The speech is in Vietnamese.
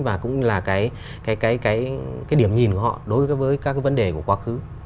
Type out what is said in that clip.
và cũng là cái điểm nhìn của họ đối với các cái vấn đề của quá khứ